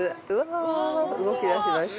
動き出しました。